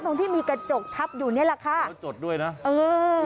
ตรงที่มีกระจกทับอยู่นี่แหละค่ะแล้วจดด้วยนะเออ